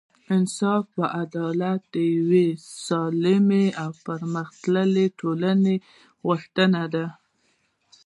انصاف او عدالت د یوې سالمې او پرمختللې ټولنې غوښتنه ده.